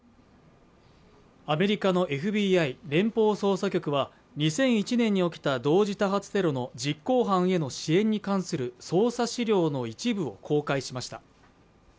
アメリカのＦＢＩ＝連邦捜査局は２００１年に起きた同時多発テロの実行犯への支援に関する捜査資料の一部を公開しました。